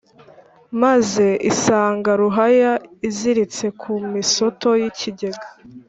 maze isanga ruhaya iziritse ku misoto y'ikigega